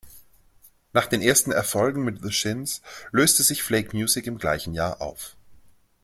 Nach ersten Erfolgen mit The Shins löste sich Flake Music im gleichen Jahr auf.